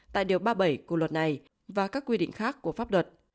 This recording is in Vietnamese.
tại điều ba mươi bảy của luật này và các quy định khác của pháp luật